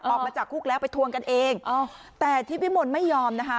ออกมาจากคุกแล้วไปทวงกันเองแต่ที่วิมลไม่ยอมนะคะ